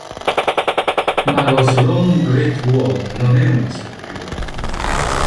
Ma lo "Sloan Great Wall" non è una struttura.